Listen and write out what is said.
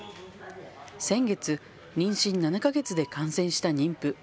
先月、妊娠７か月で感染した妊婦。